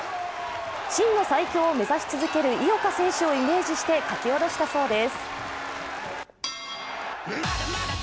真の最強を目指し続ける井岡選手をイメージして書き下ろしたそうです。